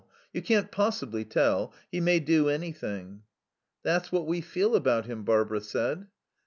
You can't possibly tell. He may do anything." "That's what we feel about him," Barbara said.